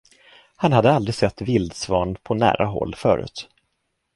Han hade aldrig sett vildsvan på nära håll förut.